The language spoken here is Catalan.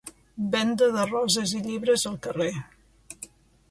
Venda de roses i llibres al carrer.